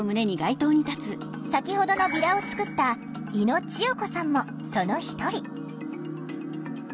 先ほどのビラを作った猪野千代子さんもその一人。